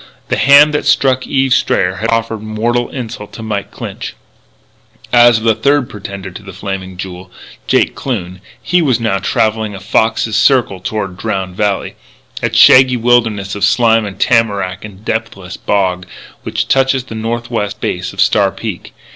The hand that struck Eve Strayer had offered mortal insult to Mike Clinch. As for the third pretender to the Flaming Jewel, Jake Kloon, he was now travelling in a fox's circle toward Drowned Valley that shaggy wilderness of slime and tamarack and depthless bog which touches the northwest base of Star Peak.